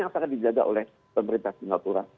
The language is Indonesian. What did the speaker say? akan dijaga oleh pemerintah singapura